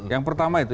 yang pertama itu